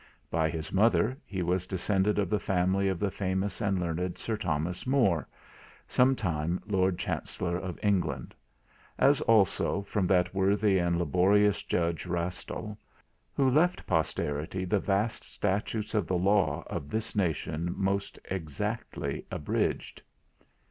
By his mother he was descended of the family of the famous and learned Sir Thomas More, sometime Lord Chancellor of England: as also, from that worthy and laborious Judge Rastall, who left posterity the vast Statutes of the Law of this nation most exactly abridged.